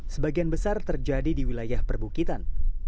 sebagian besar terjadi di wilayah perbukitan